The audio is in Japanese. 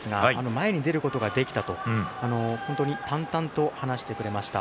前に出ることができた本当に淡々と話してくれました。